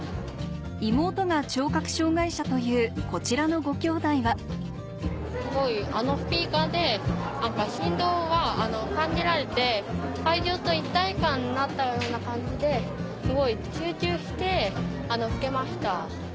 妹が聴覚障がい者というこちらのごきょうだいはすごいあのスピーカーで振動が感じられて会場と一体感になったような感じですごい集中して聞けました。